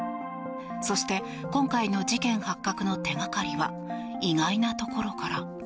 そして今回の事件発覚の手掛かりは意外なところから。